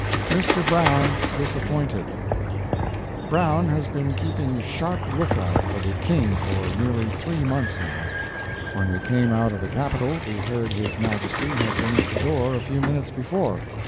MR. BROWN DISAPPOINTED Brown has been keeping a sharp lookout for the King for nearly three months, now. When we came out of the Capitol we heard his Majesty had been at the door a few minutes before.